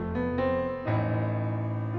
mereka udah gak ada